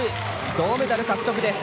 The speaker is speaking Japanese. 銅メダル獲得です。